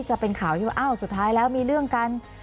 จะเป็นข่าวที่ว่าอ้าวสุดท้ายแล้วมีเรื่องกัน